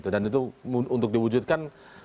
dan itu untuk diwujudkan